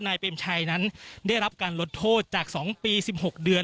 เปรมชัยนั้นได้รับการลดโทษจาก๒ปี๑๖เดือน